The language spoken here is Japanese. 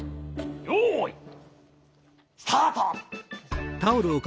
よいスタート！